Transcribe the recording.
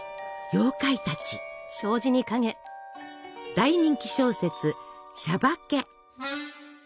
大人気小説「しゃばけ」。